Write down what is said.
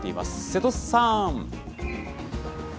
瀬戸さん。